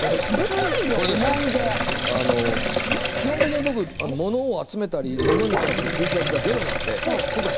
基本的に僕は、ものを集めたりものに対する執着はゼロなんです。